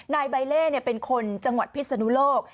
นายใบเล่เป็นคนจังหวัดพิศนุโลก